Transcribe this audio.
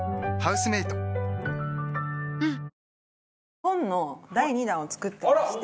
本の第２弾を作ってまして。